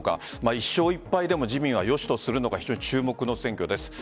１勝１敗でも自民は良しとするのか非常に注目の選挙です。